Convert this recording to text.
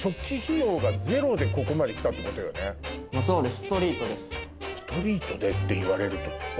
ストリートでって言われると。